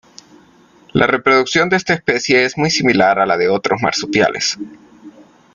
La reproducción de esta especie es muy similar a la de otros marsupiales.